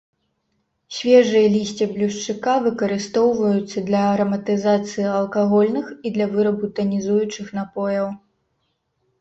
Свежае лісце блюшчыка выкарыстоўваюцца для араматызацыі алкагольных і для вырабу танізуючых напояў.